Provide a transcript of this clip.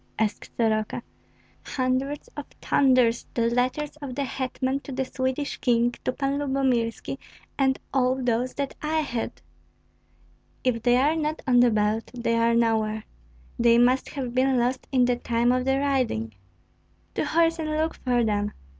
asked Soroka. "Hundreds of thunders! the letters of the hetman to the Swedish King, to Pan Lyubomirski, and all those that I had." "If they are not on the belt, they are nowhere. They must have been lost in the time of the riding." "To horse and look for them!"